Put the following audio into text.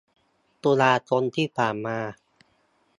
ตุลาคมที่ผ่านมา